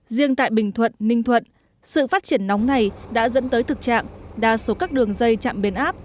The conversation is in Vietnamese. riêng tại bình thuận ninh thuận sự phát triển nóng này đã dẫn tới thực trạng đa số các đường dây chạm biến áp